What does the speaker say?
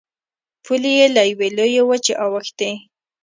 پولې یې له یوې لویې وچې اوښتې.